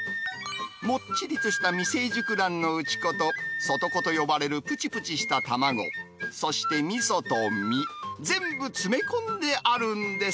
もっちりとした未成熟卵の内子と、外子と呼ばれるぷちぷちした卵、そしてみそと身、全部詰め込んであるんです。